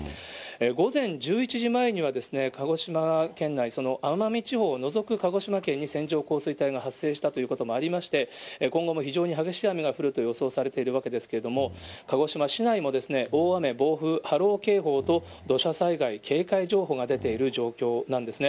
午前１１時前には鹿児島県内、その奄美地方を除く鹿児島県に線状降水帯が発生したということもありまして、今後も非常に激しい雨が降ると予想されてるわけですけれども、鹿児島市内も大雨、暴風、波浪警報と土砂災害警戒情報が出ている状況なんですね。